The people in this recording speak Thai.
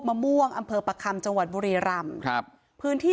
มะม่วงอำเผอปะครำจวาดบุรีรรรรมครับพื้นที่